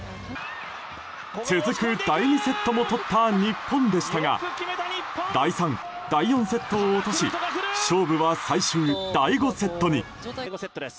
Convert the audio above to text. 続く第２セットもとった日本でしたが第３、第４セットを落とし勝負は最終第５セットに。